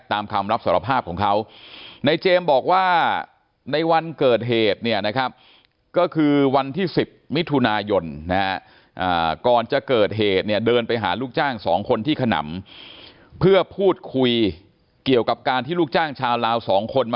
ตามคำรับสารภาพของเขานายเจมส์บอกว่าในวันเกิดเหตุเนี้ยนะครับ